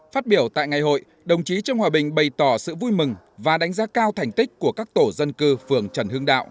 phát biểu tại ngày hội đồng chí trương hòa bình bày tỏ sự vui mừng và đánh giá cao thành tích của các tổ dân cư phường trần hương đạo